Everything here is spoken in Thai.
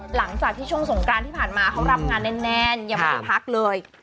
หลังจากที่ช่วงสงกรานที่ผ่านมาเขารับงานแน่นยังไม่ได้พักเลย